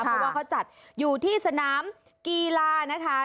เพราะว่าเขาจัดอยู่ที่สนามกีฬานะคะ